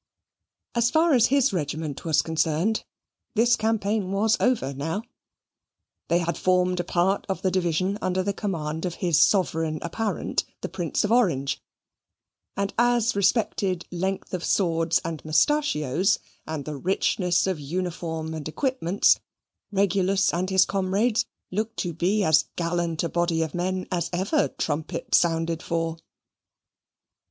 As far as his regiment was concerned, this campaign was over now. They had formed a part of the division under the command of his Sovereign apparent, the Prince of Orange, and as respected length of swords and mustachios, and the richness of uniform and equipments, Regulus and his comrades looked to be as gallant a body of men as ever trumpet sounded for.